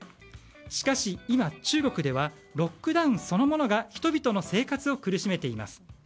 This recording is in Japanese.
しかし今、中国ではロックダウンそのものが人々の生活を苦しめています。